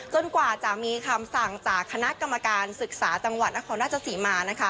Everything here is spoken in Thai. กว่าจะมีคำสั่งจากคณะกรรมการศึกษาจังหวัดนครราชศรีมานะคะ